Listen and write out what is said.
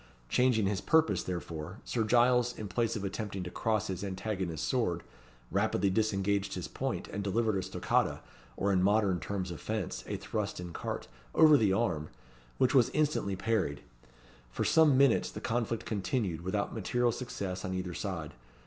Changing his purpose, therefore, Sir Giles, in place of attempting to cross his antagonist's sword, rapidly disengaged his point, and delivered a stoccata, or in modern terms of fence, a thrust in carte, over the arm, which was instantly parried. For some minutes the conflict continued without material success on either side.